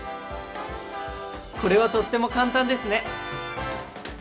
これはとっても簡単ですね！